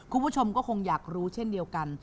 คุณผู้ชมก็คงอยากรู้เช่นเดียวกัน